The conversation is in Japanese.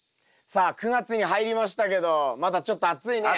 さあ９月に入りましたけどまだちょっと暑いね。